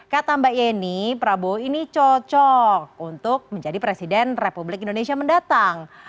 katambah ini prabowo ini cocok untuk menjadi presiden republik indonesia mendatang